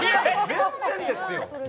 全然ですよ。